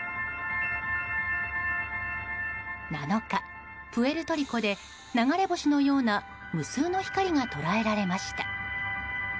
７日、プエルトリコで流れ星のような無数の光が捉えられました。